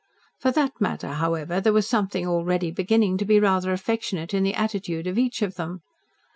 For that matter, however, there was something already beginning to be rather affectionate in the attitude of each of them.